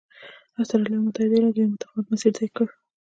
اسټرالیا او متحدو ایالتونو یو متفاوت مسیر طی کړ.